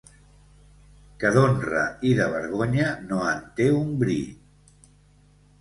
...que d'honra i de vergonya no en té un bri.